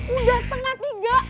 udah setengah tiga